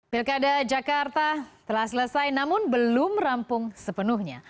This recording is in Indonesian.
pilkada jakarta telah selesai namun belum rampung sepenuhnya